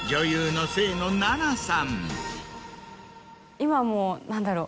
今もう何だろう